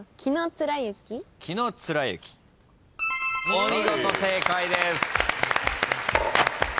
お見事正解です。